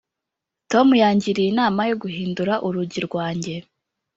tom yangiriye inama yo guhindura urugi rwanjye.